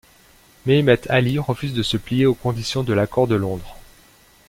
Méhémet Ali refuse de se plier aux conditions de l'accord de Londres.